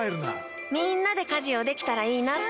みんなで家事をできたらいいなって。